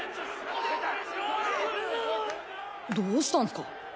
どうしたんすか？